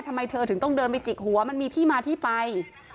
ทำไมเธอถึงต้องเดินไปจิกหัวมันมีที่มาที่ไป